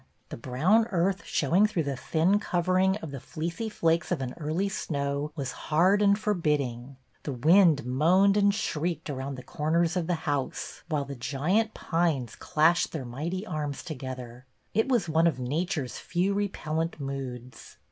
The brown earth, showing through the thin covering of the fleecy flakes of an early snow, was hard and forbidding; the wind moaned and shrieked around the cor ners of the house, while the giant pines clashed their mighty arms together; it was one of nature's few repellent moods.